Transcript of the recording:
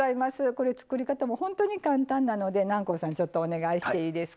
これ、作り方も本当に簡単なので南光さん、お願いしていいですか。